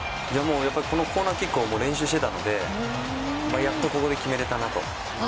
このコーナーキックを練習してたのでやっとここで決めれたなと。